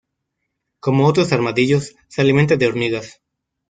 Como otros armadillos, se alimenta de hormigas.